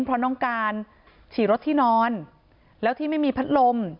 เพราะน้องการฉี่รถที่นอนแล้วที่ไม่มีพัดลม